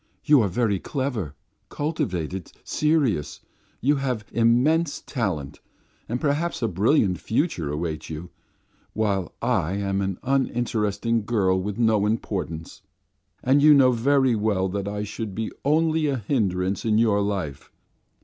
You are very clever, cultivated, serious, you have immense talent, and perhaps a brilliant future awaits you, while I am an uninteresting girl of no importance, and you know very well that I should be only a hindrance in your life.